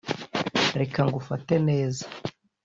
reka ngufate neza